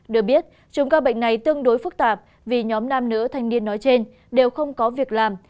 được biết chúng ca bệnh này tương đối phức tạp vì nhóm nam nữ thanh niên nói trên đều không có việc làm